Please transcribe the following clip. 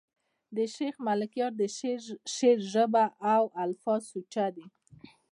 د شېخ ملکیار د شعر ژبه او الفاظ سوچه دي.